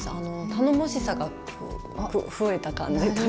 頼もしさが増えた感じというか。